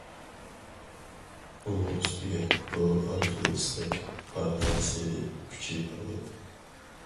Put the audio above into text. ئۇنىڭ ئۈستىگە بۇ ئارزۇ-ئىستەك بارغانسېرى كۈچىيىپ بارىدۇ.